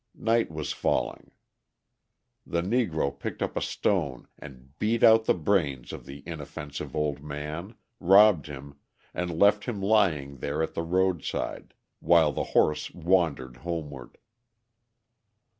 Night was falling. The Negro picked up a stone and beat out the brains of the inoffensive old man, robbed him, and left him lying there at the roadside, while the horse wandered homeward.